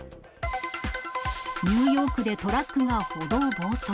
ニューヨークでトラックが歩道暴走。